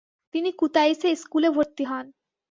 তিনি কুতাইস-এ স্কুলে ভর্তি হন।